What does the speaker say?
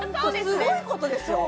すごいことですよ